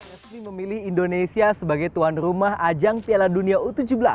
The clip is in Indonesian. resmi memilih indonesia sebagai tuan rumah ajang piala dunia u tujuh belas